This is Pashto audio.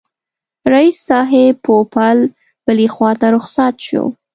رییس صاحب پوپل بلي خواته رخصت شو.